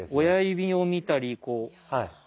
親指を見たりこう。